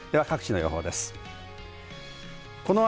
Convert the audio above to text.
各地の予報です。